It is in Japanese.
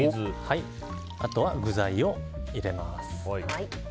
あとは具材を入れます。